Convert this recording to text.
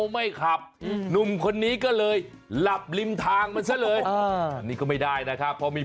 หมอไซลม